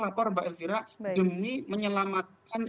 lapor mbak elvira demi menyelamatkan